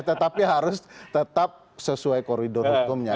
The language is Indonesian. tetapi harus tetap sesuai koridor hukumnya